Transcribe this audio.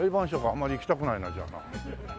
あんまり行きたくないなじゃあ。